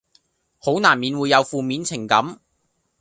好難免會有負面情感